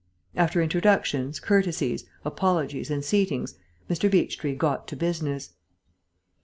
After introductions, courtesies, apologies, and seatings, Mr. Beechtree got to business.